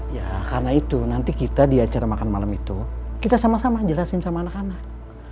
ya karena itu nanti kita di acara makan malam itu kita sama sama jelasin sama anak anak